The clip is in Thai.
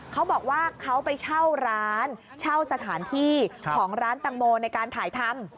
เขาบอกว่าเขาไปเช่าร้านเช่าสถานที่ของร้านตังโมในการถ่ายทำ